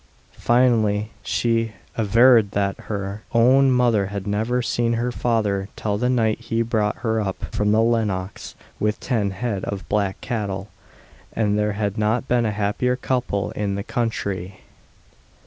Finally, she averred that her "own mother had never seen her father till the night he brought her up from the Lennox, with ten head of black cattle, and there had not been a happier couple in the country."